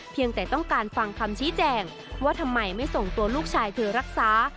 เพียงแต่ต้องการฟังคำชี้แจงว่าทำไมไม่ส่งตัวลูกชายเธอรักษา